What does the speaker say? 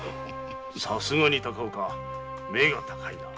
さすがに高岡目が高いな。